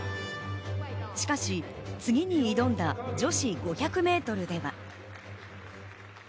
しかし次に挑んだ女子５００メートルでは。